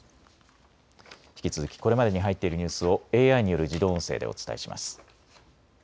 引き続きこれまでに入っているニュースをＡＩによる自動音声でお伝えします。